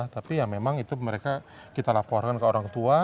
tapi ya memang itu mereka kita laporkan ke orang tua